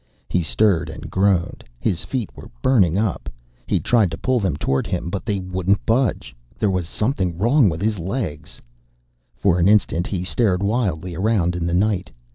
He stirred, and groaned. His feet were burning up! He tried to pull them toward him, but they wouldn't budge. There was something wrong with his legs. For an instant he stared wildly around in the night.